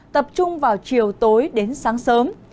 tập trung vào chiều tối đến sáng sớm